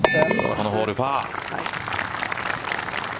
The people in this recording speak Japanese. このボール、パー。